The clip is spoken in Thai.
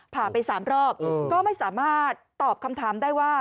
ผ่าไป๓รอบก็ไม่สามารถตอบคำถามได้ว่า